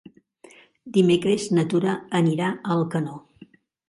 Dimecres na Tura anirà a Alcanó.